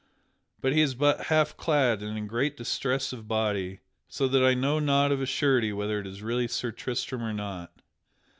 Yet he is but half clad and in great distress of body so that I know not of a surety whether it is really Sir Tristram or not.